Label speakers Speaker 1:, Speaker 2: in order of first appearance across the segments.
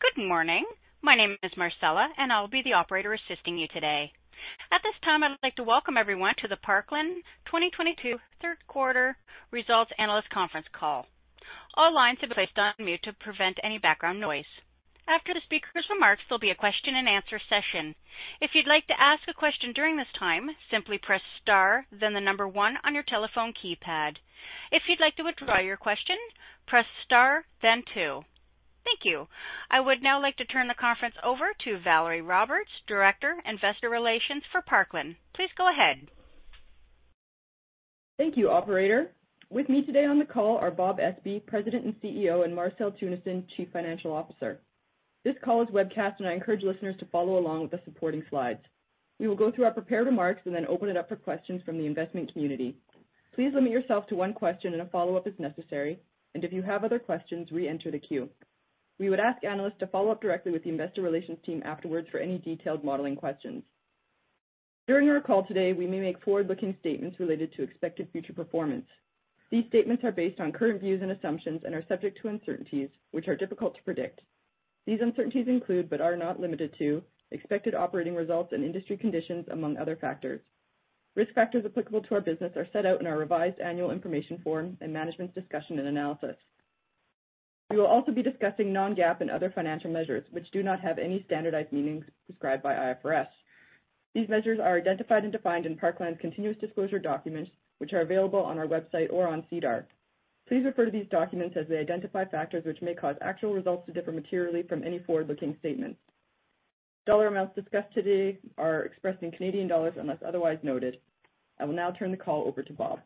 Speaker 1: Good morning. My name is Marcella, and I will be the operator assisting you today. At this time, I'd like to welcome everyone to the Parkland 2022 third quarter results analyst conference call. All lines have been placed on mute to prevent any background noise. After the speaker's remarks, there'll be a question-and-answer session. If you'd like to ask a question during this time, simply press star, then the number one on your telephone keypad. If you'd like to withdraw your question, press star, then two. Thank you. I would now like to turn the conference over to Valerie Roberts, Director, Investor Relations for Parkland. Please go ahead.
Speaker 2: Thank you, operator. With me today on the call are Bob Espey, President and CEO, and Marcel Teunissen, Chief Financial Officer. This call is webcast, and I encourage listeners to follow along with the supporting slides. We will go through our prepared remarks and then open it up for questions from the investment community. Please limit yourself to one question and a follow-up as necessary. If you have other questions, re-enter the queue. We would ask analysts to follow up directly with the investor relations team afterwards for any detailed modeling questions. During our call today, we may make forward-looking statements related to expected future performance. These statements are based on current views and assumptions and are subject to uncertainties which are difficult to predict. These uncertainties include, but are not limited to, expected operating results and industry conditions, among other factors. Risk factors applicable to our business are set out in our revised annual information form and management's discussion and analysis. We will also be discussing non-GAAP and other financial measures which do not have any standardized meanings prescribed by IFRS. These measures are identified and defined in Parkland's continuous disclosure documents, which are available on our website or on SEDAR. Please refer to these documents as they identify factors which may cause actual results to differ materially from any forward-looking statements. Dollar amounts discussed today are expressed in Canadian dollars unless otherwise noted. I will now turn the call over to Bob.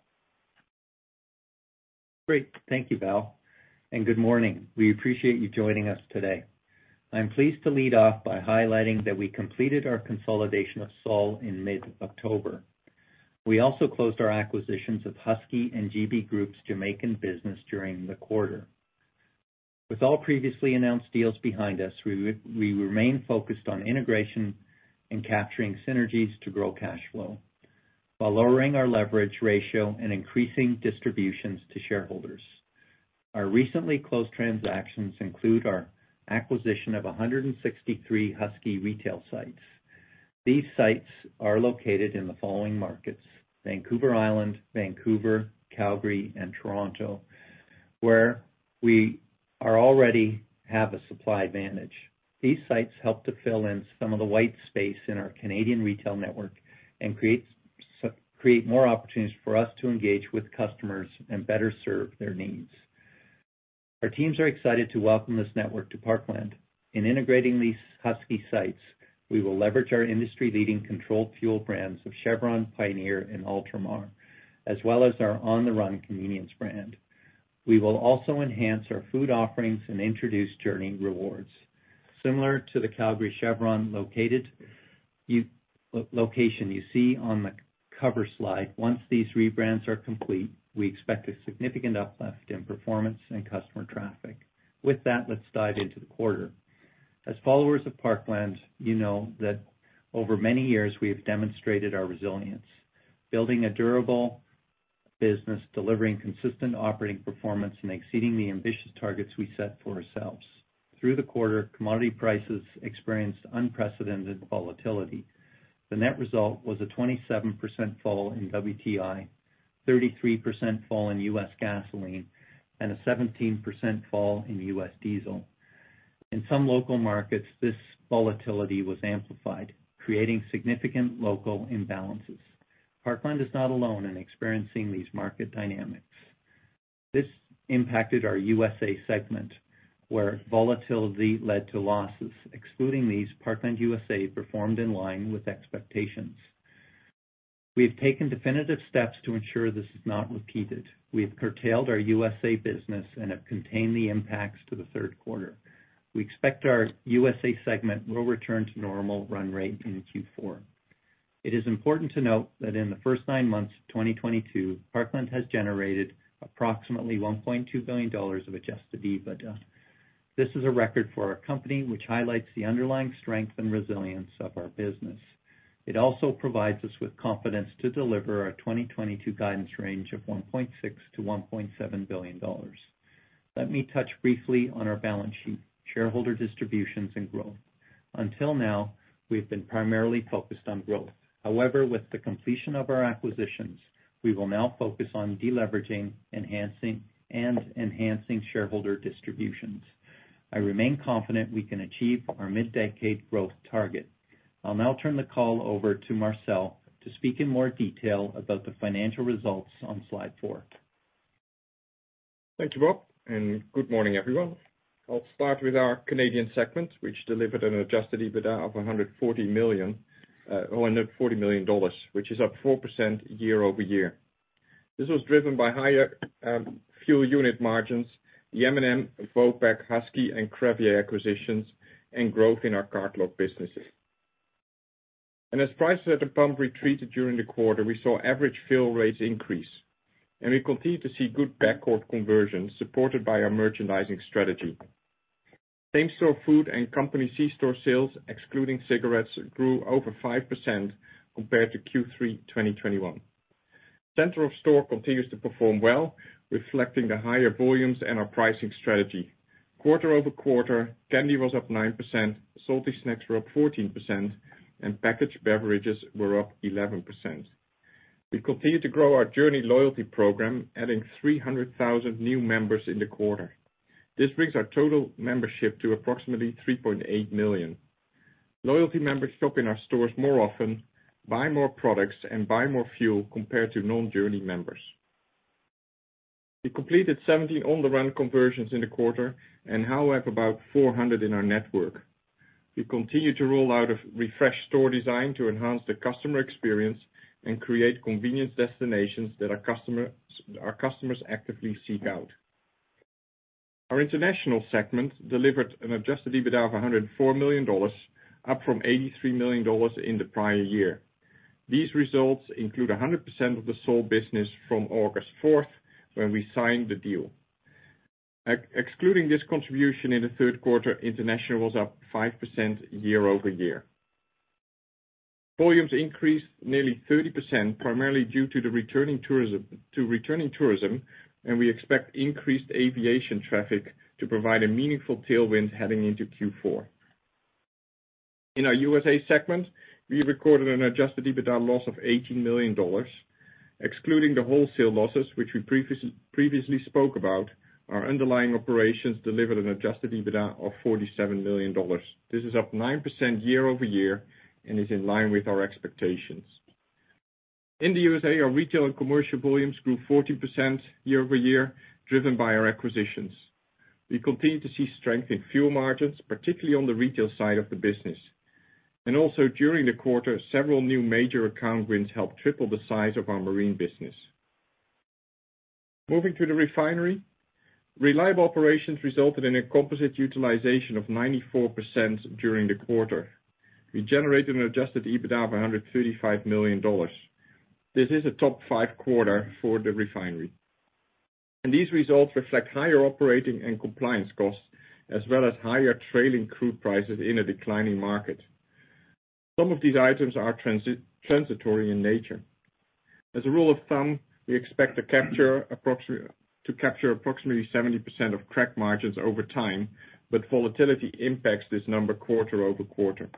Speaker 3: Great. Thank you, Val, and good morning. We appreciate you joining us today. I am pleased to lead off by highlighting that we completed our consolidation of Sol in mid-October. We also closed our acquisitions of Husky and GB Group's Jamaican business during the quarter. With all previously announced deals behind us, we remain focused on integration and capturing synergies to grow cash flow while lowering our leverage ratio and increasing distributions to shareholders. Our recently closed transactions include our acquisition of 163 Husky retail sites. These sites are located in the following markets, Vancouver Island, Vancouver, Calgary, and Toronto, where we already have a supply advantage. These sites help to fill in some of the white space in our Canadian retail network and create more opportunities for us to engage with customers and better serve their needs. Our teams are excited to welcome this network to Parkland. In integrating these Husky sites, we will leverage our industry-leading controlled fuel brands of Chevron, Pioneer, and Ultramar, as well as our On the Run convenience brand. We will also enhance our food offerings and introduce Journie Rewards. Similar to the Calgary Chevron location you see on the cover slide, once these rebrands are complete, we expect a significant uplift in performance and customer traffic. With that, let's dive into the quarter. As followers of Parkland, you know that over many years, we have demonstrated our resilience, building a durable business, delivering consistent operating performance, and exceeding the ambitious targets we set for ourselves. Through the quarter, commodity prices experienced unprecedented volatility. The net result was a 27% fall in WTI, 33% fall in U.S. gasoline, and a 17% fall in U.S. diesel. In some local markets, this volatility was amplified, creating significant local imbalances. Parkland is not alone in experiencing these market dynamics. This impacted our USA segment, where volatility led to losses. Excluding these, Parkland USA performed in line with expectations. We have taken definitive steps to ensure this is not repeated. We have curtailed our USA business and have contained the impacts to the third quarter. We expect our USA segment will return to normal run rate in Q4. It is important to note that in the first nine months of 2022, Parkland has generated approximately 1.2 billion dollars of adjusted EBITDA. This is a record for our company, which highlights the underlying strength and resilience of our business. It also provides us with confidence to deliver our 2022 guidance range of 1.6 billion-1.7 billion dollars. Let me touch briefly on our balance sheet, shareholder distributions, and growth. Until now, we've been primarily focused on growth. However, with the completion of our acquisitions, we will now focus on deleveraging, enhancing shareholder distributions. I remain confident we can achieve our mid-decade growth target. I'll now turn the call over to Marcel to speak in more detail about the financial results on slide four.
Speaker 4: Thank you, Bob, and good morning, everyone. I'll start with our Canadian segment, which delivered an adjusted EBITDA of 140 million dollars, or CAD 140 million, which is up 4% year-over-year. This was driven by higher fuel unit margins, the M&M, Vopak, Husky, and Crevier acquisitions, and growth in our cardlock businesses. As prices at the pump retreated during the quarter, we saw average fill rates increase, and we continue to see good backcourt conversions supported by our merchandising strategy. Same-store food and company C-store sales, excluding cigarettes, grew over 5% compared to Q3 2021. Center of store continues to perform well, reflecting the higher volumes and our pricing strategy. Quarter-over-quarter, candy was up 9%, salty snacks were up 14%, and packaged beverages were up 11%. We continue to grow our Journie loyalty program, adding 300,000 new members in the quarter. This brings our total membership to approximately 3.8 million. Loyalty members shop in our stores more often, buy more products, and buy more fuel compared to non-Journie members. We completed 70 On the Run conversions in the quarter and now have about 400 in our network. We continue to roll out a refreshed store design to enhance the customer experience and create convenience destinations that our customers actively seek out. Our international segment delivered an adjusted EBITDA of 104 million dollars, up from 83 million dollars in the prior year. These results include 100% of the Sol business from August 4th, when we signed the deal. Excluding this contribution in the third quarter, international was up 5% year-over-year. Volumes increased nearly 30%, primarily due to the returning tourism, and we expect increased aviation traffic to provide a meaningful tailwind heading into Q4. In our USA segment, we recorded an adjusted EBITDA loss of 18 million dollars. Excluding the wholesale losses, which we previously spoke about, our underlying operations delivered an adjusted EBITDA of 47 million dollars. This is up 9% year-over-year and is in line with our expectations. In the USA, our retail and commercial volumes grew 14% year-over-year, driven by our acquisitions. We continue to see strength in fuel margins, particularly on the retail side of the business. Also during the quarter, several new major account wins helped triple the size of our marine business. Moving to the refinery. Reliable operations resulted in a composite utilization of 94% during the quarter. We generated an adjusted EBITDA of 135 million dollars. This is a top five quarter for the refinery. These results reflect higher operating and compliance costs, as well as higher trailing crude prices in a declining market. Some of these items are transitory in nature. As a rule of thumb, we expect to capture approximately 70% of crack margins over time, but volatility impacts this number quarter-over-quarter.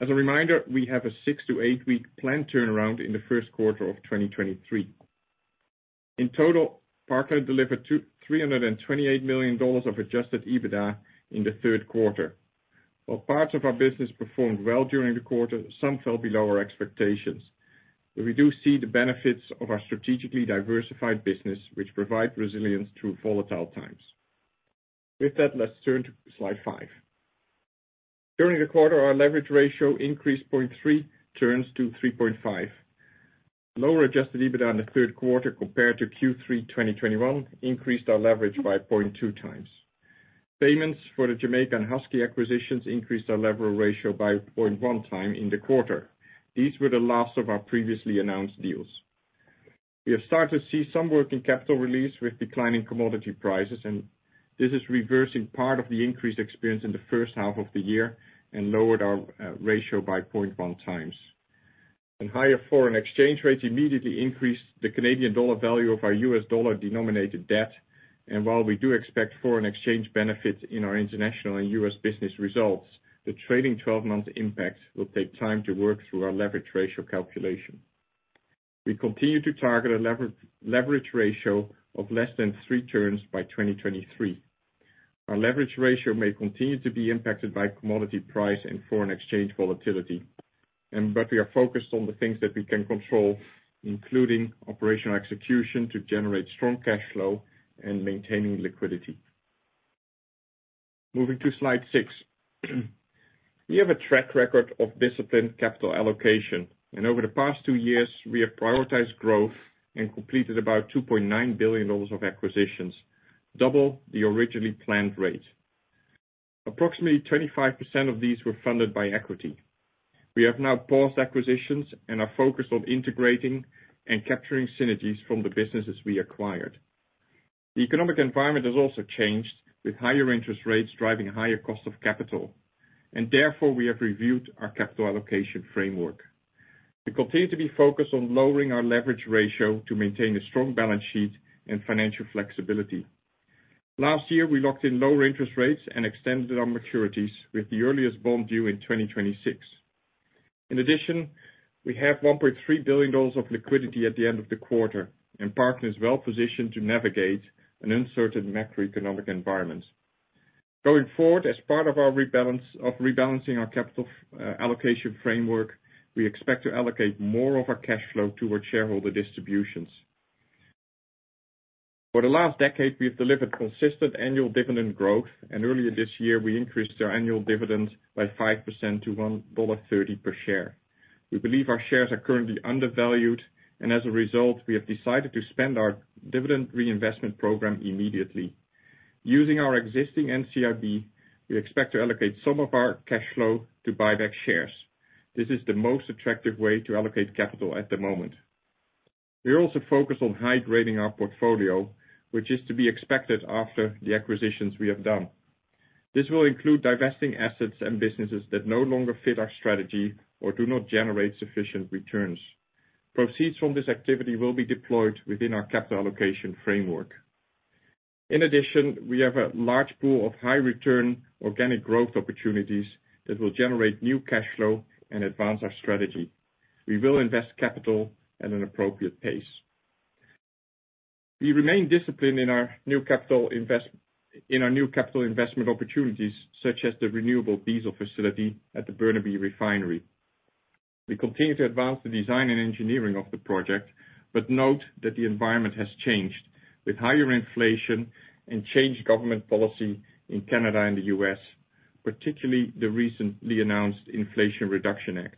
Speaker 4: As a reminder, we have a six to eight-week planned turnaround in the first quarter of 2023. In total, Parkland delivered 328 million dollars of adjusted EBITDA in the third quarter. While parts of our business performed well during the quarter, some fell below our expectations. We do see the benefits of our strategically diversified business, which provide resilience through volatile times. With that, let's turn to slide five. During the quarter, our leverage ratio increased 0.3x to 3.5x. Lower adjusted EBITDA in the third quarter compared to Q3 2021 increased our leverage by 0.2x. Payments for the Jamaican Husky acquisitions increased our leverage ratio by 0.1x in the quarter. These were the last of our previously announced deals. We have started to see some working capital release with declining commodity prices, and this is reversing part of the increase experienced in the first half of the year and lowered our ratio by 0.1x. Higher foreign exchange rates immediately increased the Canadian dollar value of our U.S. dollar-denominated debt. While we do expect foreign exchange benefits in our international and U.S. business results, the trailing 12-month impacts will take time to work through our leverage ratio calculation. We continue to target a leverage ratio of less than 3 turns by 2023. Our leverage ratio may continue to be impacted by commodity price and foreign exchange volatility, but we are focused on the things that we can control, including operational execution to generate strong cash flow and maintaining liquidity. Moving to slide six. We have a track record of disciplined capital allocation, and over the past two years, we have prioritized growth and completed about 2.9 billion dollars of acquisitions, double the originally planned rate. Approximately 25% of these were funded by equity. We have now paused acquisitions and are focused on integrating and capturing synergies from the businesses we acquired. The economic environment has also changed, with higher interest rates driving higher costs of capital, and therefore we have reviewed our capital allocation framework. We continue to be focused on lowering our leverage ratio to maintain a strong balance sheet and financial flexibility. Last year, we locked in lower interest rates and extended our maturities with the earliest bond due in 2026. In addition, we have 1.3 billion dollars of liquidity at the end of the quarter and Parkland is well positioned to navigate an uncertain macroeconomic environment. Going forward, as part of rebalancing our capital allocation framework, we expect to allocate more of our cash flow toward shareholder distributions. For the last decade, we've delivered consistent annual dividend growth, and earlier this year, we increased our annual dividend by 5% to 1.30 dollar per share. We believe our shares are currently undervalued, and as a result, we have decided to suspend our dividend reinvestment program immediately. Using our existing NCIB, we expect to allocate some of our cash flow to buy back shares. This is the most attractive way to allocate capital at the moment. We are also focused on high-grading our portfolio, which is to be expected after the acquisitions we have done. This will include divesting assets and businesses that no longer fit our strategy or do not generate sufficient returns. Proceeds from this activity will be deployed within our capital allocation framework. In addition, we have a large pool of high return organic growth opportunities that will generate new cash flow and advance our strategy. We will invest capital at an appropriate pace. We remain disciplined in our new capital investment opportunities such as the renewable diesel facility at the Burnaby Refinery. We continue to advance the design and engineering of the project, but note that the environment has changed with higher inflation and changed government policy in Canada and the U.S., particularly the recently announced Inflation Reduction Act.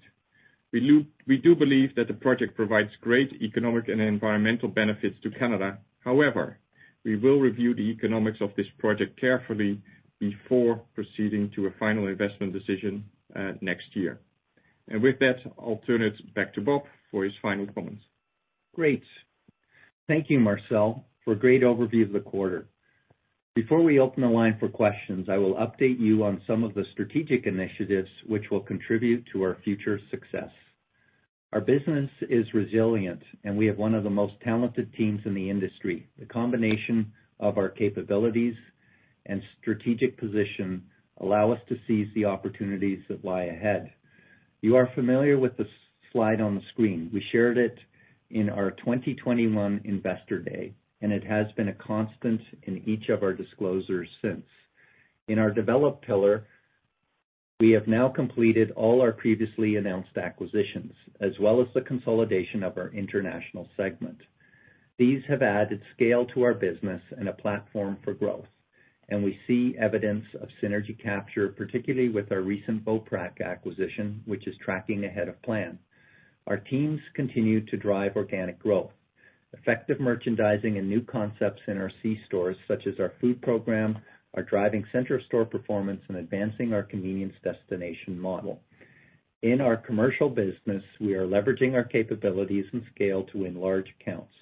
Speaker 4: We do believe that the project provides great economic and environmental benefits to Canada. However, we will review the economics of this project carefully before proceeding to a final investment decision next year. With that, I'll turn it back to Bob for his final comments.
Speaker 3: Great. Thank you, Marcel, for a great overview of the quarter. Before we open the line for questions, I will update you on some of the strategic initiatives which will contribute to our future success. Our business is resilient, and we have one of the most talented teams in the industry. The combination of our capabilities and strategic position allow us to seize the opportunities that lie ahead. You are familiar with the slide on the screen. We shared it in our 2021 Investor Day, and it has been a constant in each of our disclosures since. In our developed pillar, we have now completed all our previously announced acquisitions, as well as the consolidation of our international segment. These have added scale to our business and a platform for growth, and we see evidence of synergy capture, particularly with our recent Vopak acquisition, which is tracking ahead of plan. Our teams continue to drive organic growth. Effective merchandising and new concepts in our C-stores, such as our food program, our driving center store performance, and advancing our convenience destination model. In our commercial business, we are leveraging our capabilities and scale to win large accounts.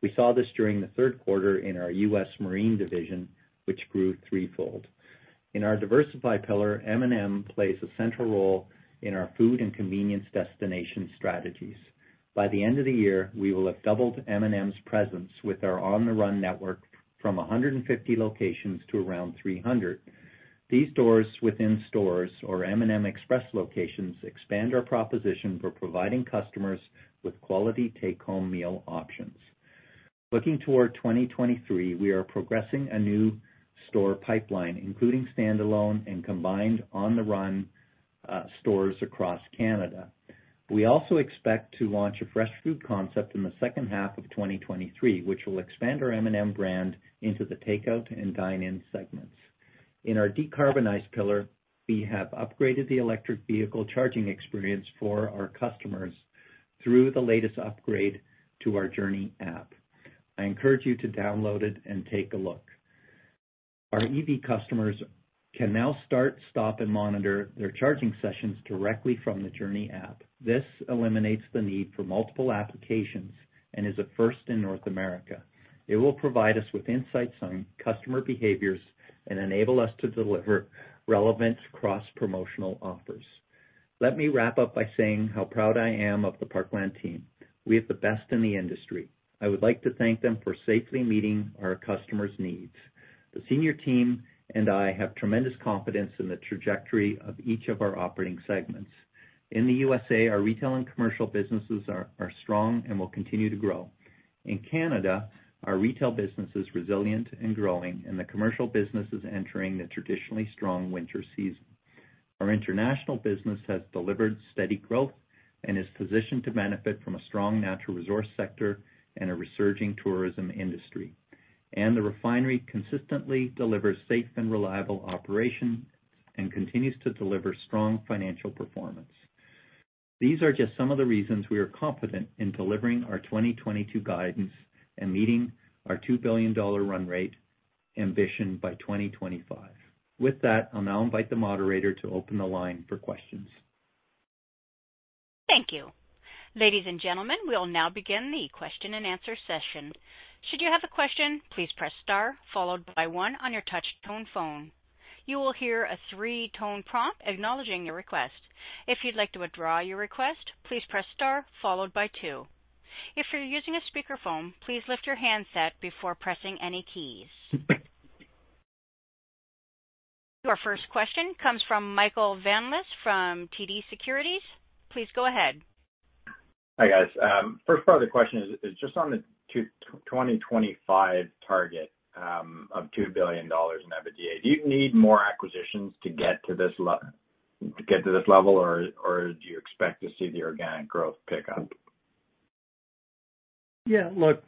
Speaker 3: We saw this during the third quarter in our U.S. Marine division, which grew threefold. In our diversified pillar, M&M plays a central role in our food and convenience destination strategies. By the end of the year, we will have doubled M&M's presence with our On the Run network from 150 locations to around 300. These stores within stores or M&M Express locations expand our proposition for providing customers with quality take-home meal options. Looking toward 2023, we are progressing a new store pipeline, including standalone and combined On the Run stores across Canada. We also expect to launch a fresh food concept in the second half of 2023, which will expand our M&M brand into the takeout and dine-in segments. In our decarbonize pillar, we have upgraded the electric vehicle charging experience for our customers through the latest upgrade to our Journie app. I encourage you to download it and take a look. Our EV customers can now start, stop, and monitor their charging sessions directly from the Journie app. This eliminates the need for multiple applications and is a first in North America. It will provide us with insights on customer behaviors and enable us to deliver relevant cross-promotional offers. Let me wrap up by saying how proud I am of the Parkland team. We have the best in the industry. I would like to thank them for safely meeting our customers' needs. The senior team and I have tremendous confidence in the trajectory of each of our operating segments. In the USA, our retail and commercial businesses are strong and will continue to grow. In Canada, our retail business is resilient and growing, and the commercial business is entering the traditionally strong winter season. Our international business has delivered steady growth and is positioned to benefit from a strong natural resource sector and a resurging tourism industry. The refinery consistently delivers safe and reliable operation and continues to deliver strong financial performance. These are just some of the reasons we are confident in delivering our 2022 guidance and meeting our 2 billion dollar run rate ambition by 2025. With that, I'll now invite the moderator to open the line for questions.
Speaker 1: Thank you. Ladies and gentlemen, we will now begin the question-and-answer session. Should you have a question, please press star followed by one on your touch tone phone. You will hear a three-tone prompt acknowledging your request. If you'd like to withdraw your request, please press star followed by two. If you're using a speakerphone, please lift your handset before pressing any keys. Your first question comes from Michael Van Aelst from TD Securities. Please go ahead.
Speaker 5: Hi, guys. First part of the question is just on the 2025 target of 2 billion dollars in EBITDA. Do you need more acquisitions to get to this level, or do you expect to see the organic growth pick up?
Speaker 3: Yeah. Look,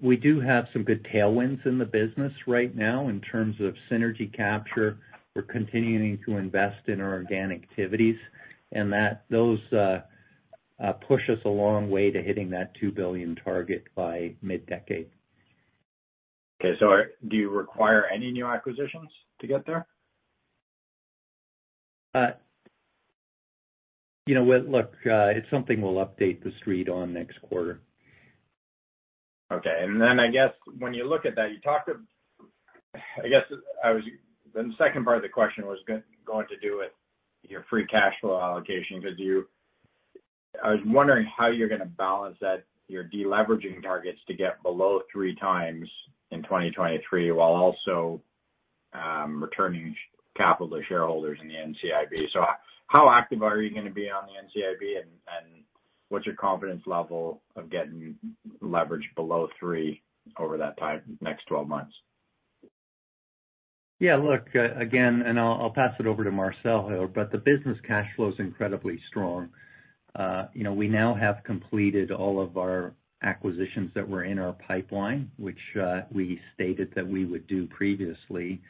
Speaker 3: we do have some good tailwinds in the business right now in terms of synergy capture. We're continuing to invest in our organic activities, and those push us a long way to hitting that 2 billion target by mid-decade.
Speaker 5: Okay. Do you require any new acquisitions to get there?
Speaker 3: You know what? Look, it's something we'll update the street on next quarter.
Speaker 5: Okay. I guess when you look at that, the second part of the question was going to do with your free cash flow allocation. I was wondering how you're gonna balance that, your deleveraging targets to get below 3x in 2023, while also returning capital to shareholders in the NCIB. How active are you gonna be on the NCIB, and what's your confidence level of getting leverage below 3x over that time, next 12 months?
Speaker 3: Yeah. Look, again, I'll pass it over to Marcel here, but the business cash flow is incredibly strong. You know, we now have completed all of our acquisitions that were in our pipeline, which we stated that we would do previously.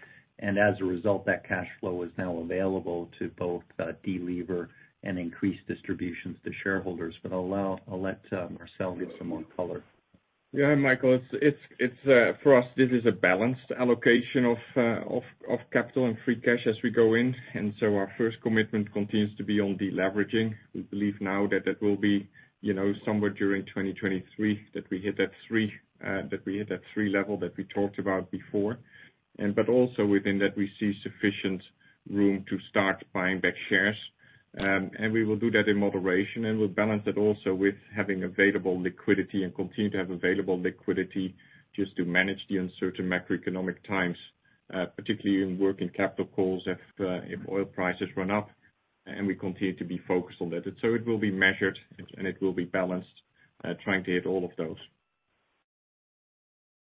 Speaker 3: As a result, that cash flow is now available to both delever and increase distributions to shareholders. I'll let Marcel give some more color.
Speaker 4: Yeah, Michael, it's for us, this is a balanced allocation of capital and free cash as we go in. Our first commitment continues to be on deleveraging. We believe now that will be, you know, somewhere during 2023, that we hit that three level that we talked about before. But also within that, we see sufficient room to start buying back shares. We will do that in moderation, and we'll balance it also with having available liquidity and continue to have available liquidity just to manage the uncertain macroeconomic times, particularly in working capital calls if oil prices run up, and we continue to be focused on that. It will be measured, and it will be balanced, trying to hit all of those.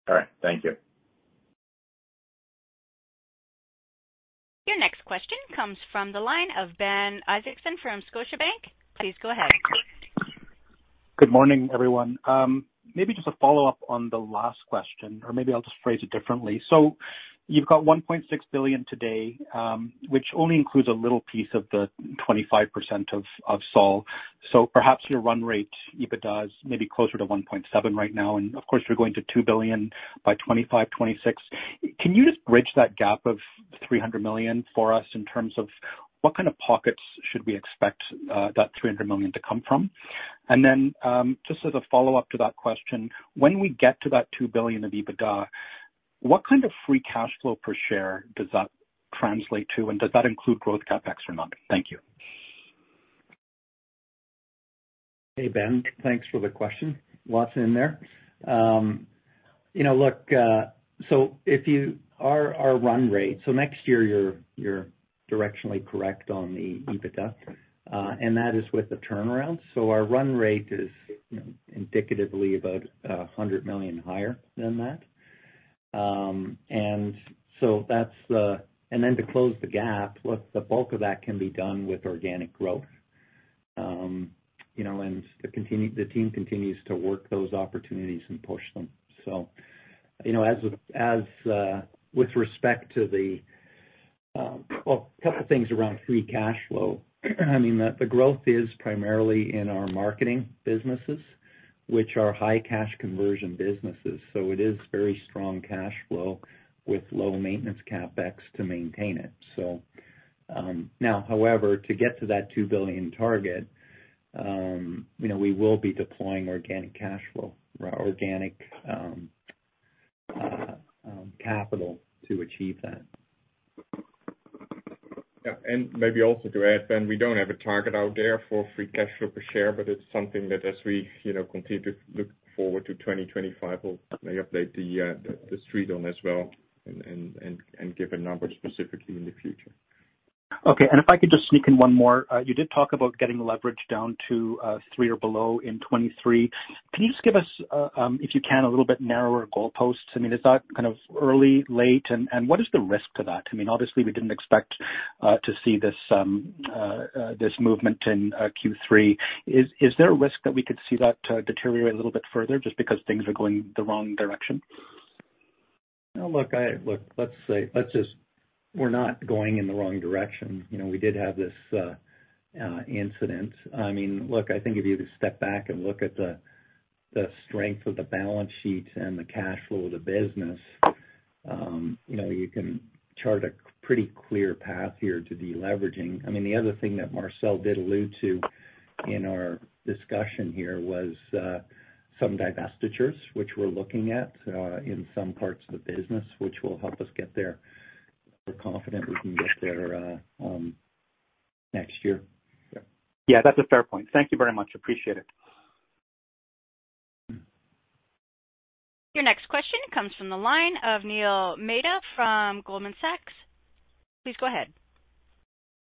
Speaker 5: All right. Thank you.
Speaker 1: Your next question comes from the line of Ben Isaacson from Scotiabank. Please go ahead.
Speaker 6: Good morning, everyone. Maybe just a follow-up on the last question, or maybe I'll just phrase it differently. You've got 1.6 billion today, which only includes a little piece of the 25% of Sol. Perhaps your run rate EBITDA maybe closer to 1.7 billion right now. Of course, you're going to 2 billion by 2025, 2026. Can you just bridge that gap of 300 million for us in terms of what kind of pockets should we expect, that 300 million to come from? Then, just as a follow-up to that question, when we get to that 2 billion of EBITDA, what kind of free cash flow per share does that translate to? And does that include growth CapEx or not? Thank you.
Speaker 3: Hey, Ben. Thanks for the question. Lots in there. You know, look, our run rate. Next year, you're directionally correct on the EBITDA, and that is with the turnaround. Our run rate is, you know, indicatively about 100 million higher than that. That's the. To close the gap, look, the bulk of that can be done with organic growth. You know, the team continues to work those opportunities and push them. You know, as with respect to the. Well, a couple things around free cash flow. I mean, the growth is primarily in our marketing businesses, which are high cash conversion businesses. It is very strong cash flow with low maintenance CapEx to maintain it. Now, however, to get to that 2 billion target, you know, we will be deploying organic cash flow or organic capital to achieve that.
Speaker 4: Yeah. Maybe also to add, Ben, we don't have a target out there for free cash flow per share, but it's something that as we, you know, continue to look forward to 2025, we'll maybe update the street on as well and give a number specifically in the future.
Speaker 6: Okay. If I could just sneak in one more. You did talk about getting the leverage down to 3x or below in 2023. Can you just give us, if you can, a little bit narrower goalposts? I mean, is that kind of early, late, and what is the risk to that? I mean, obviously we didn't expect to see this movement in Q3. Is there a risk that we could see that deteriorate a little bit further just because things are going the wrong direction?
Speaker 3: No, look, let's say we're not going in the wrong direction. You know, we did have this incident. I mean, look, I think if you just step back and look at the strength of the balance sheet and the cash flow of the business, you know, you can chart a pretty clear path here to deleveraging. I mean, the other thing that Marcel did allude to in our discussion here was some divestitures, which we're looking at in some parts of the business, which will help us get there. We're confident we can get there next year.
Speaker 6: Yeah, that's a fair point. Thank you very much. Appreciate it.
Speaker 1: Your next question comes from the line of Neel Mehta from Goldman Sachs. Please go ahead.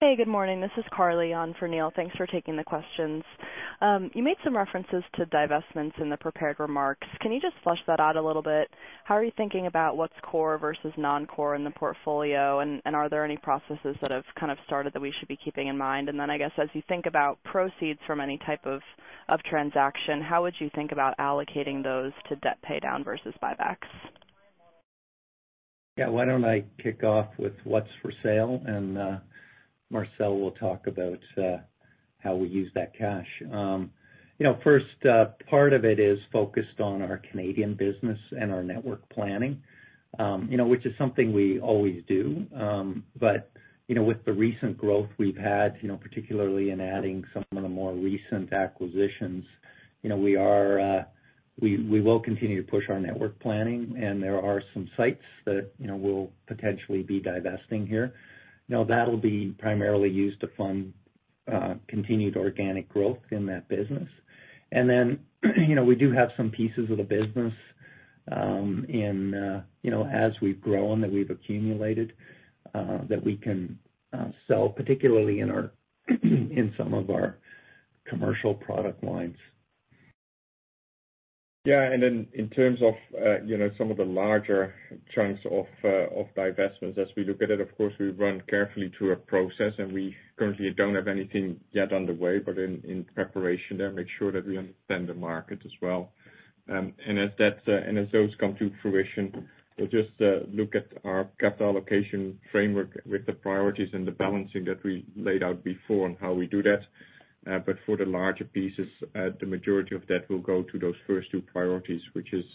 Speaker 7: Hey, good morning. This is Carly on for Neil. Thanks for taking the questions. You made some references to divestments in the prepared remarks. Can you just flesh that out a little bit? How are you thinking about what's core versus non-core in the portfolio? And are there any processes that have kind of started that we should be keeping in mind? And then I guess, as you think about proceeds from any type of transaction, how would you think about allocating those to debt pay down versus buybacks?
Speaker 3: Yeah. Why don't I kick off with what's for sale, and Marcel will talk about how we use that cash. You know, first part of it is focused on our Canadian business and our network planning, you know, which is something we always do. You know, with the recent growth we've had, you know, particularly in adding some of the more recent acquisitions, you know, we will continue to push our network planning and there are some sites that, you know, we'll potentially be divesting here. Now, that'll be primarily used to fund continued organic growth in that business. Then, you know, we do have some pieces of the business, you know, as we've grown that we've accumulated, that we can sell, particularly in some of our commercial product lines.
Speaker 4: Yeah. In terms of, you know, some of the larger chunks of divestments as we look at it, of course, we run carefully through a process, and we currently don't have anything yet underway, but in preparation there, make sure that we understand the market as well. As those come to fruition, we'll just look at our capital allocation framework with the priorities and the balancing that we laid out before on how we do that. For the larger pieces, the majority of that will go to those first two priorities, which is,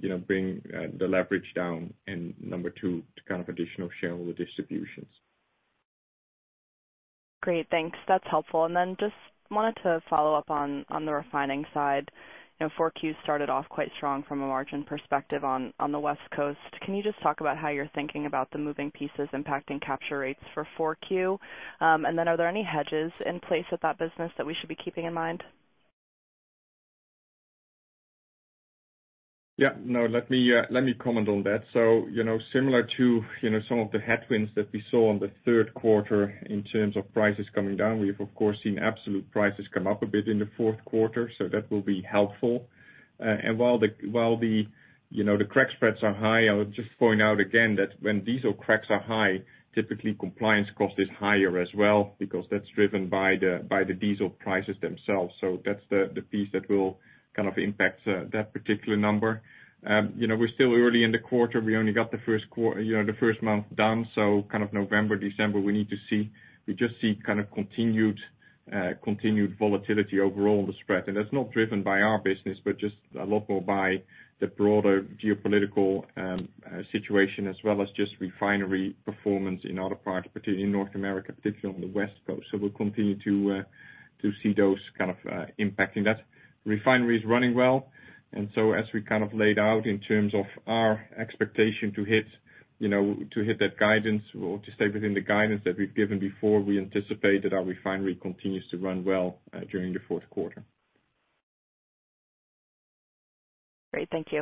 Speaker 4: you know, bringing the leverage down, and number two, to kind of additional shareholder distributions.
Speaker 7: Great. Thanks. That's helpful. Just wanted to follow up on the refining side. You know, 4Q started off quite strong from a margin perspective on the West Coast. Can you just talk about how you're thinking about the moving pieces impacting capture rates for 4Q? Are there any hedges in place with that business that we should be keeping in mind?
Speaker 4: Yeah. No, let me comment on that. You know, similar to some of the headwinds that we saw on the third quarter in terms of prices coming down, we've of course seen absolute prices come up a bit in the fourth quarter, so that will be helpful. While the crack spreads are high, I would just point out again that when diesel cracks are high, typically compliance cost is higher as well because that's driven by the diesel prices themselves. That's the piece that will kind of impact that particular number. You know, we're still early in the quarter. We only got the first month done, so kind of November, December, we need to see. We just see kind of continued volatility overall in the spread. That's not driven by our business, but just a lot more by the broader geopolitical situation, as well as just refinery performance in other parts in North America, particularly on the West Coast. We'll continue to see those kind of impacting that. Refinery is running well, and so as we kind of laid out in terms of our expectation to hit, you know, that guidance or to stay within the guidance that we've given before, we anticipate that our refinery continues to run well during the fourth quarter.
Speaker 7: Great. Thank you.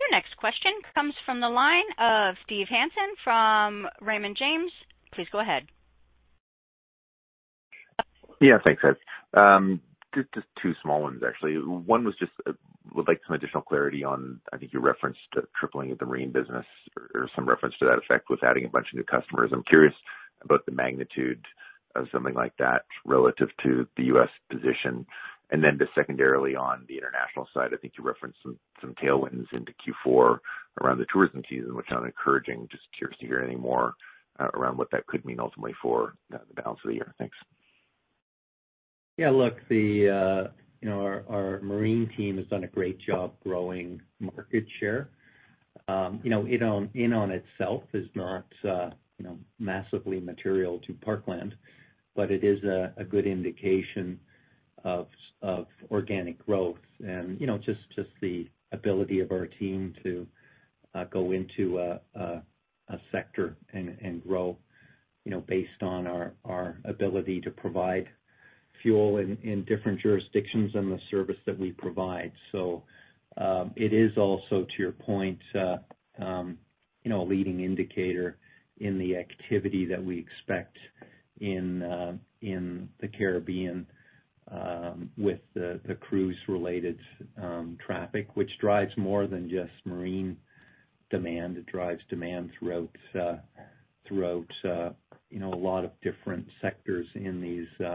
Speaker 1: Your next question comes from the line of Steve Hansen from Raymond James. Please go ahead.
Speaker 8: Yeah. Thanks. Just two small ones actually. One was just would like some additional clarity on, I think you referenced tripling of the marine business or some reference to that effect with adding a bunch of new customers. I'm curious about the magnitude of something like that relative to the U.S. position. Just secondarily on the international side, I think you referenced some tailwinds into Q4 around the tourism season, which sound encouraging. Just curious to hear any more around what that could mean ultimately for the balance of the year. Thanks.
Speaker 3: Look, you know, our marine team has done a great job growing market share. You know, in and of itself is not, you know, massively material to Parkland, but it is a good indication of organic growth and, you know, just the ability of our team to go into a sector and grow, you know, based on our ability to provide fuel in different jurisdictions and the service that we provide. It is also, to your point, you know, a leading indicator in the activity that we expect in the Caribbean with the cruise related traffic, which drives more than just marine demand. It drives demand throughout, you know, a lot of different sectors in these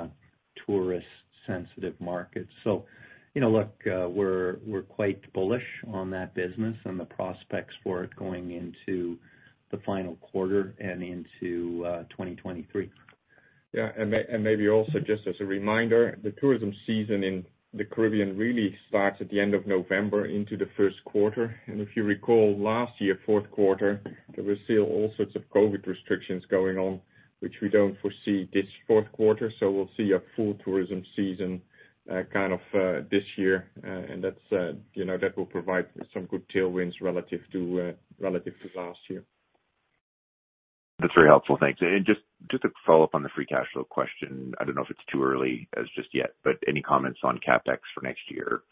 Speaker 3: tourist sensitive markets. You know, look, we're quite bullish on that business and the prospects for it going into the final quarter and into 2023.
Speaker 4: Yeah. Maybe also just as a reminder, the tourism season in the Caribbean really starts at the end of November into the first quarter. If you recall last year, fourth quarter, there were still all sorts of COVID restrictions going on, which we don't foresee this fourth quarter. We'll see a full tourism season, kind of, this year. That's, you know, that will provide some good tailwinds relative to last year.
Speaker 8: That's very helpful. Thanks. Just to follow up on the free cash flow question, I don't know if it's too early just yet, but any comments on CapEx for next year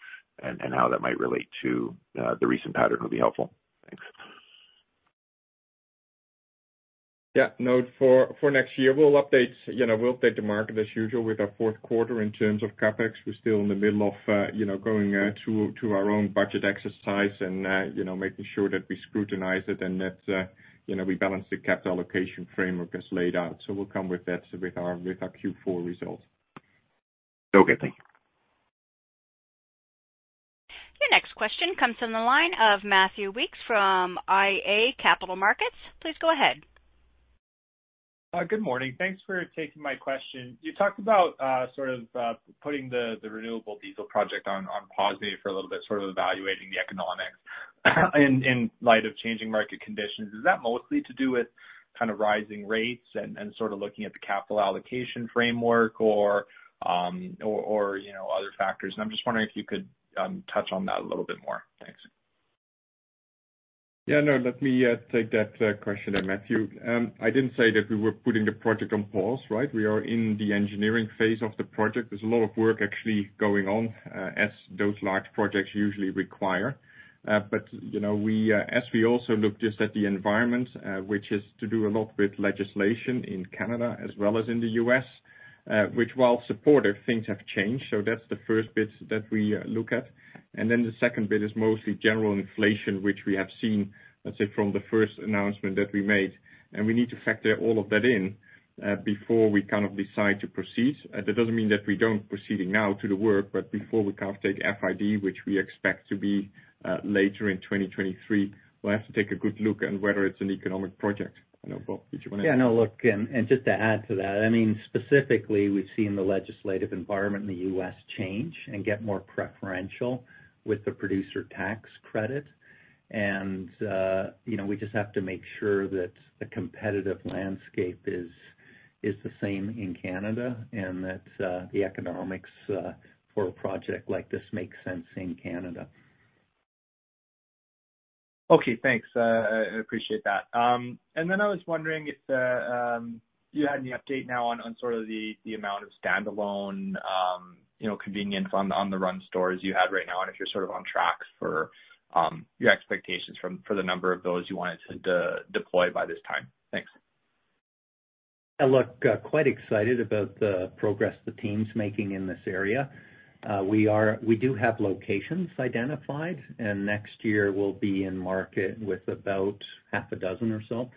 Speaker 8: and how that might relate to the recent pattern would be helpful. Thanks.
Speaker 4: Yeah. No, for next year we'll update, you know, the market as usual with our fourth quarter in terms of CapEx. We're still in the middle of, you know, going to our own budget exercise and, you know, making sure that we scrutinize it and that, you know, we balance the capital allocation framework as laid out. We'll come with that with our Q4 results.
Speaker 8: Okay. Thank you.
Speaker 1: Your next question comes from the line of Matthew Weekes from iA Capital Markets. Please go ahead.
Speaker 9: Good morning. Thanks for taking my question. You talked about sort of putting the renewable diesel project on pause maybe for a little bit, sort of evaluating the economics in light of changing market conditions. Is that mostly to do with kind of rising rates and sort of looking at the capital allocation framework or you know other factors? I'm just wondering if you could touch on that a little bit more. Thanks.
Speaker 4: Yeah, no, let me take that question then, Matthew. I didn't say that we were putting the project on pause, right? We are in the engineering phase of the project. There's a lot of work actually going on as those large projects usually require. You know, we, as we also look just at the environment, which has to do a lot with legislation in Canada as well as in the U.S., which while supportive things have changed, so that's the first bit that we look at. The second bit is mostly general inflation, which we have seen, let's say, from the first announcement that we made, and we need to factor all of that in before we kind of decide to proceed. That doesn't mean that we don't proceeding now to the work, but before we kind of take FID, which we expect to be later in 2023, we'll have to take a good look on whether it's an economic project. I know, Bob, did you wanna-
Speaker 3: Yeah, no, look, and just to add to that, I mean, specifically, we've seen the legislative environment in the U.S. change and get more preferential with the producer tax credit. You know, we just have to make sure that the competitive landscape is the same in Canada and that the economics for a project like this makes sense in Canada.
Speaker 9: Okay, thanks. I appreciate that. I was wondering if you had any update now on sort of the amount of standalone, you know, convenience On the Run stores you have right now, and if you're sort of on track for your expectations for the number of those you wanted to deploy by this time. Thanks.
Speaker 3: Look, quite excited about the progress the team's making in this area. We do have locations identified, and next year we'll be in market with about half a dozen or so.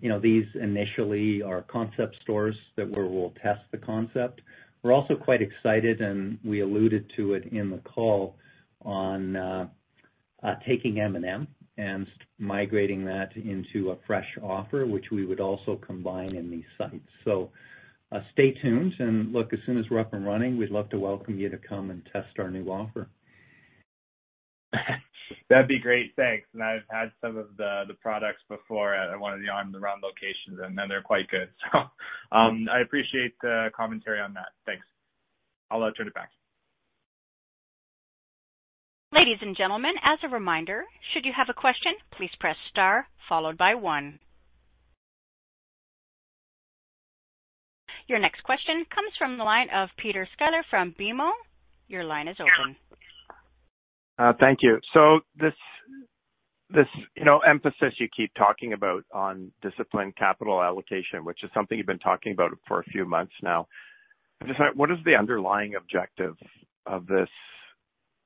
Speaker 3: You know, these initially are concept stores that we'll test the concept. We're also quite excited, and we alluded to it in the call on taking M&M and migrating that into a fresh offer, which we would also combine in these sites. Stay tuned, and look, as soon as we're up and running, we'd love to welcome you to come and test our new offer.
Speaker 9: That'd be great. Thanks. I've had some of the products before at one of the On the Run locations, and then they're quite good. I appreciate the commentary on that. Thanks. I'll now turn it back.
Speaker 1: Ladies and gentlemen, as a reminder, should you have a question, please press star followed by one. Your next question comes from the line of Peter Sklar from BMO. Your line is open.
Speaker 10: Thank you. This, you know, emphasis you keep talking about on disciplined capital allocation, which is something you've been talking about for a few months now. I'm just like, what is the underlying objective of this?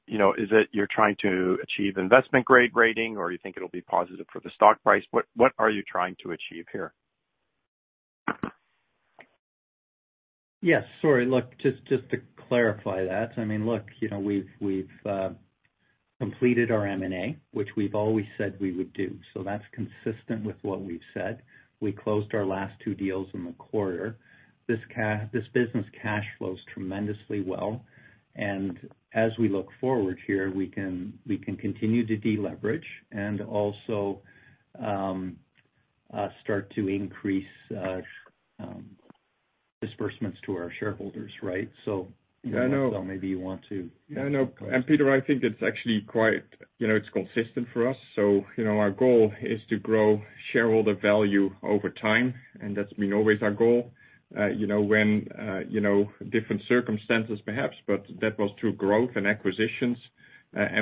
Speaker 10: You know, is it you're trying to achieve investment-grade rating or you think it'll be positive for the stock price? What are you trying to achieve here?
Speaker 3: Yes. Sorry. Look, just to clarify that. I mean, look, you know, we've completed our M&A, which we've always said we would do. That's consistent with what we've said. We closed our last two deals in the quarter. This business cash flows tremendously well, and as we look forward here, we can continue to deleverage and also start to increase disbursements to our shareholders, right?
Speaker 4: Yeah, I know.
Speaker 3: Maybe you want to-
Speaker 4: Yeah, I know. Peter, I think it's actually quite. You know, it's consistent for us. You know, our goal is to grow shareholder value over time, and that's been always our goal. You know, when different circumstances perhaps, but that was through growth and acquisitions.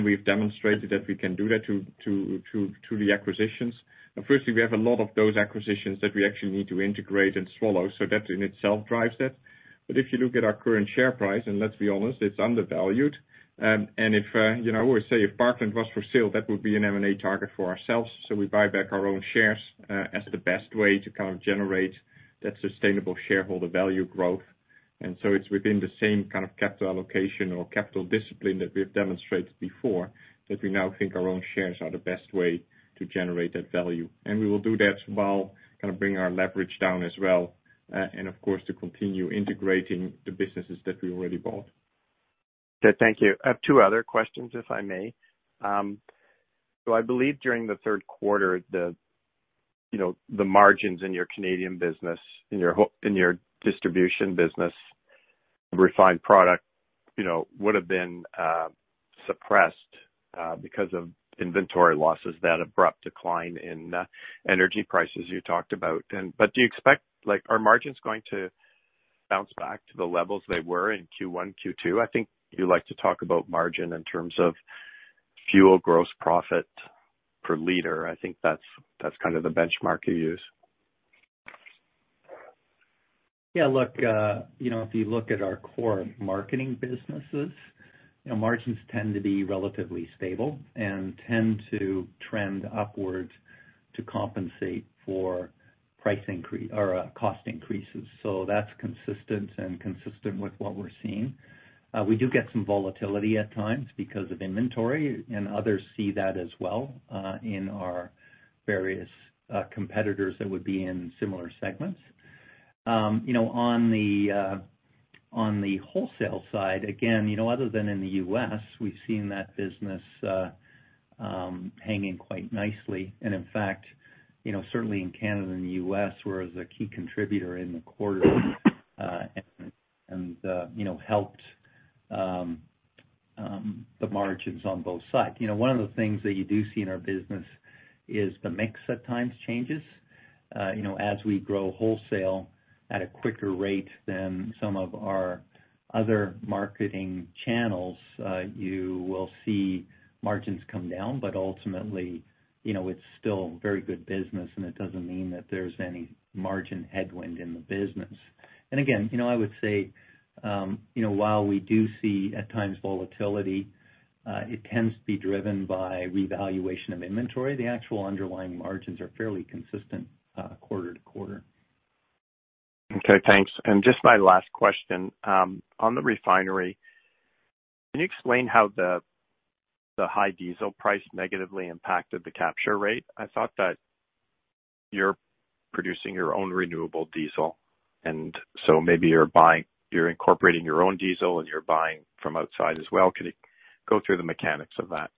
Speaker 4: We've demonstrated that we can do that through the acquisitions. Firstly, we have a lot of those acquisitions that we actually need to integrate and swallow, so that in itself drives that. If you look at our current share price, and let's be honest, it's undervalued. If you know, I always say if Parkland was for sale, that would be an M&A target for ourselves. We buy back our own shares as the best way to kind of generate that sustainable shareholder value growth. It's within the same kind of capital allocation or capital discipline that we have demonstrated before, that we now think our own shares are the best way to generate that value. We will do that while kind of bringing our leverage down as well, and of course, to continue integrating the businesses that we already bought.
Speaker 10: Okay. Thank you. I have two other questions, if I may. So I believe during the third quarter, you know, the margins in your Canadian business, in your distribution business, refined product, you know, would've been suppressed because of inventory losses, that abrupt decline in energy prices you talked about. Do you expect like, are margins going to bounce back to the levels they were in Q1, Q2? I think you like to talk about margin in terms of fuel gross profit per liter. I think that's kind of the benchmark you use.
Speaker 3: Yeah. Look, you know, if you look at our core marketing businesses, you know, margins tend to be relatively stable and tend to trend upwards to compensate for price increase or cost increases. That's consistent with what we're seeing. We do get some volatility at times because of inventory, and others see that as well in our various competitors that would be in similar segments. You know, on the wholesale side, again, you know, other than in the U.S., we've seen that business hanging quite nicely. In fact, you know, certainly in Canada and the U.S., it was a key contributor in the quarter, and you know helped the margins on both sides. You know, one of the things that you do see in our business is the mix at times changes. You know, as we grow wholesale at a quicker rate than some of our other marketing channels, you will see margins come down, but ultimately, you know, it's still very good business, and it doesn't mean that there's any margin headwind in the business. Again, you know, I would say, you know, while we do see at times volatility, it tends to be driven by revaluation of inventory. The actual underlying margins are fairly consistent, quarter to quarter.
Speaker 10: Okay, thanks. Just my last question. On the refinery, can you explain how the high diesel price negatively impacted the capture rate? I thought that you're producing your own renewable diesel, and so maybe you're incorporating your own diesel and you're buying from outside as well. Can you go through the mechanics of that?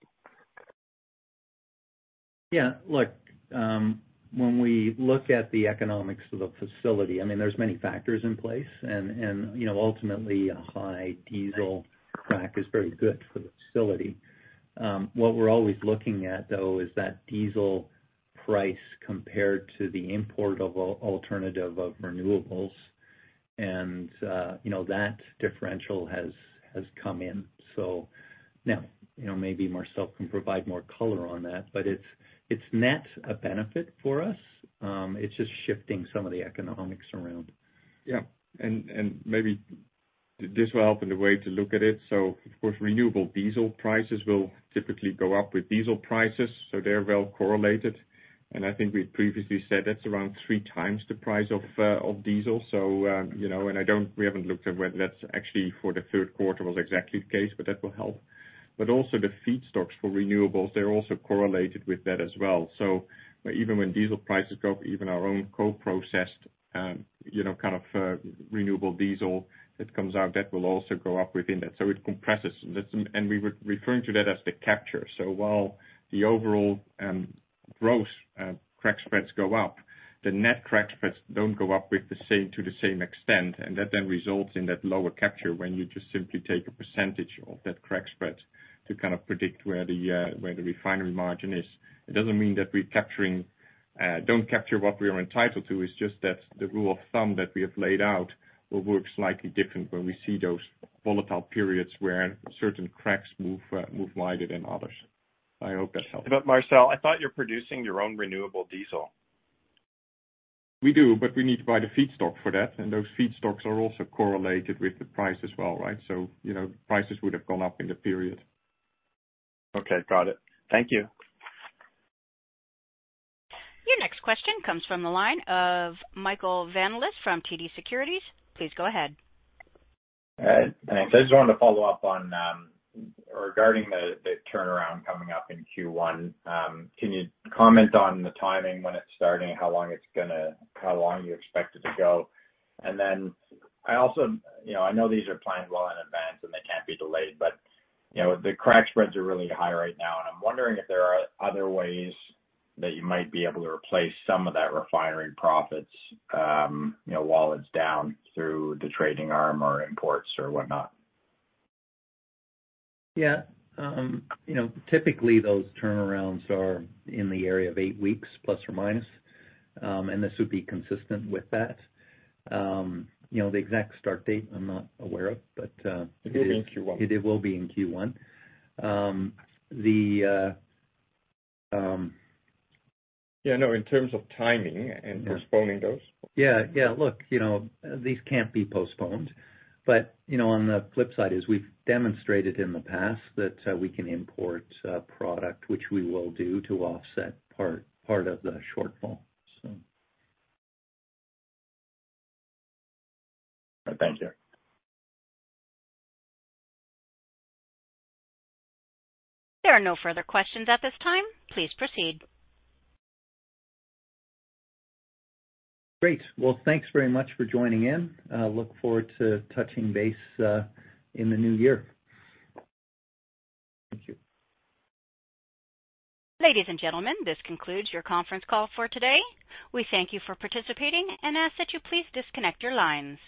Speaker 3: Yeah. Look, when we look at the economics of the facility, I mean, there's many factors in place. You know, ultimately a high diesel crack is very good for the facility. What we're always looking at, though, is that diesel price compared to the import of alternative of renewables. You know, that differential has come in. Now, you know, maybe Marcel can provide more color on that, but it's net a benefit for us. It's just shifting some of the economics around.
Speaker 4: Yeah. Maybe this will help in the way to look at it. Of course, renewable diesel prices will typically go up with diesel prices, so they're well correlated. I think we previously said that's around 3x the price of diesel. We haven't looked at whether that's actually for the third quarter was exactly the case, but that will help. Also the feedstocks for renewables, they're also correlated with that as well. Even when diesel prices go up, even our own co-processed, kind of, renewable diesel that comes out, that will also go up within that. It compresses. We were referring to that as the capture. While the overall gross crack spreads go up, the net crack spreads don't go up to the same extent. That then results in that lower capture when you just simply take a percentage of that crack spread to kind of predict where the refinery margin is. It doesn't mean that we don't capture what we are entitled to. It's just that the rule of thumb that we have laid out will work slightly different when we see those volatile periods where certain cracks move wider than others. I hope that helps.
Speaker 10: Marcel, I thought you're producing your own renewable diesel.
Speaker 4: We do, but we need to buy the feedstock for that, and those feedstocks are also correlated with the price as well, right? You know, prices would have gone up in the period.
Speaker 10: Okay, got it. Thank you.
Speaker 1: Your next question comes from the line of Michael Van Aelst from TD Securities. Please go ahead.
Speaker 5: All right. Thanks. I just wanted to follow up on regarding the turnaround coming up in Q1. Can you comment on the timing when it's starting, how long you expect it to go? I also, you know, I know these are planned well in advance, and they can't be delayed, but, you know, the crack spreads are really high right now, and I'm wondering if there are other ways that you might be able to replace some of that refinery profits, you know, while it's down through the trading arm or imports or whatnot.
Speaker 3: Yeah. You know, typically those turnarounds are in the area of eight weeks, plus or minus. This would be consistent with that. You know, the exact start date I'm not aware of, but.
Speaker 4: It is in Q1.
Speaker 3: It will be in Q1.
Speaker 4: Yeah, no, in terms of timing and postponing those.
Speaker 3: Yeah. Yeah, look, you know, these can't be postponed. You know, on the flip side is we've demonstrated in the past that we can import product, which we will do to offset part of the shortfall.
Speaker 5: Thank you.
Speaker 1: There are no further questions at this time. Please proceed.
Speaker 3: Great. Well, thanks very much for joining in. Look forward to touching base in the new year. Thank you.
Speaker 1: Ladies and gentlemen, this concludes your conference call for today. We thank you for participating and ask that you please disconnect your lines.